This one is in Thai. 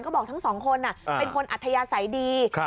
ก็บอกทั้งสองคนเป็นคนอัธยาศัยดี